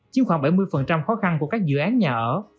chiếm khoảng bảy mươi khó khăn của các dự án nhà ở